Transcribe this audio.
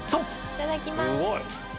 いただきます。